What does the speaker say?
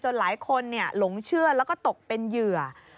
หลายคนหลงเชื่อแล้วก็ตกเป็นเหยื่อ